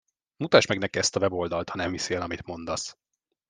Mutasd meg neki ezt a weboldalt, ha nem hiszi el, amit mondasz!